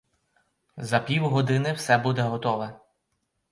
За півгодини все буде готове.